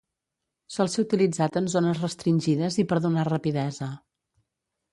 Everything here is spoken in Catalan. Sol ser utilitzat en zones restringides i per donar rapidesa.